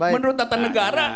menurut tata negara